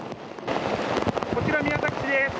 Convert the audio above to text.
こちら、宮崎市です。